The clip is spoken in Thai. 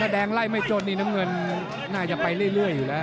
แดงไล่ไม่จนนี่น้ำเงินน่าจะไปเรื่อยอยู่แล้ว